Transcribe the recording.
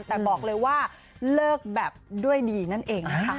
แต่บอกเลยว่าเลิกแบบด้วยดีนั่นเองนะคะ